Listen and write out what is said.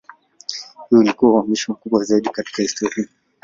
Huu ulikuwa uhamisho mkubwa zaidi katika historia.